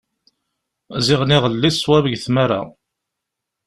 Ziɣen iɣelli swab deg tmara.